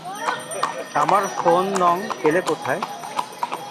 আমার ফোন নং পেলে কোথায়?